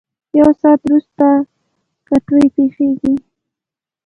یو ساعت ورست کټوۍ پخېږي.